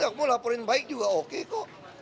ya mau laporin baik juga oke kok